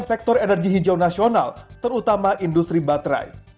dan sektor energi hijau nasional terutama industri baterai